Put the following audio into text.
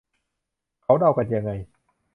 เขาเดากันยังไง